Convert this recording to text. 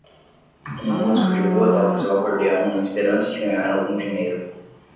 Um músico de rua toca seu acordeão na esperança de ganhar algum dinheiro.